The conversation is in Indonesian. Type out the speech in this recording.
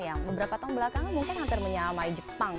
yang beberapa tahun belakangan mungkin hampir menyamai jepang